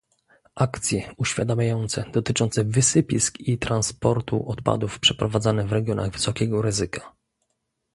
Akcje uświadamiające dotyczące wysypisk i transportu odpadów przeprowadzane w regionach wysokiego ryzyka